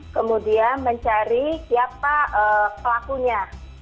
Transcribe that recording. kemudian mencari siapa pelakunya